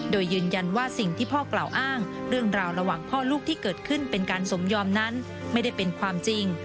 โดยยืนยันว่าสิ่งที่พ่อกล่าวอ้างเรื่องราวระหว่างพ่อลูกที่เกิดขึ้นเป็นการสมยอมนั้นไม่ได้เป็นความจริง